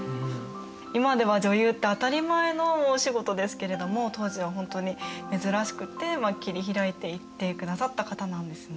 今では女優って当たり前のお仕事ですけれども当時は本当に珍しくって切り開いていってくださった方なんですね。